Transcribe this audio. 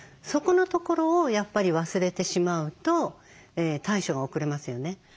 そこのところをやっぱり忘れてしまうと対処が遅れますよね。